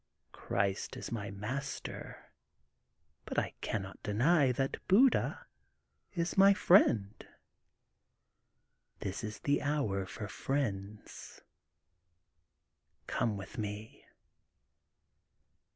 Christ is my master but I cannot deny that Buddha is my friend. This is the hour for friends. Come with me.